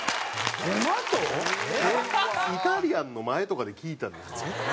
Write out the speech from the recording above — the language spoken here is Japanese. イタリアンの前とかで聞いたんですよ